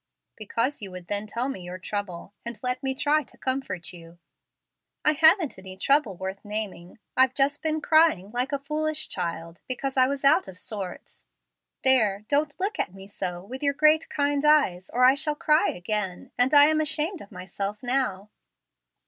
"Because you would then tell me your trouble, and let me try to comfort you." "I haven't any trouble worth naming. I've just been crying like a foolish child because I was out of sorts. There, don't look at me so with your great, kind eyes, or I shall cry again, and I am ashamed of myself now."